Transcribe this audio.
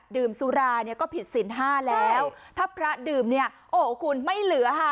ดื่มสุราเนี่ยก็ผิดศีลห้าแล้วถ้าพระดื่มเนี่ยโอ้โหคุณไม่เหลือค่ะ